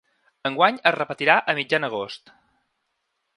Enguany es repetirà a mitjan agost.